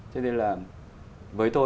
cho nên là với tôi